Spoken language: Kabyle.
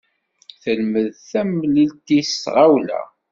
Telmed tamlilt-is s tɣawla.